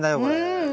うん！